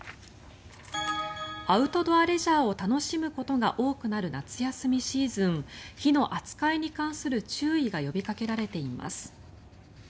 アウトドアレジャーを楽しむことが多くなる夏休みシーズン火の扱いに関する注意が呼びかけられています。